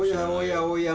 おや？